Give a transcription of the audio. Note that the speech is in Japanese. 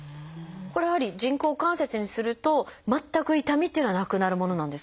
これやはり人工関節にすると全く痛みっていうのはなくなるものなんですか？